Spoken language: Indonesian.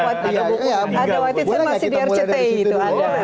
ada waktu itu saya masih di rct itu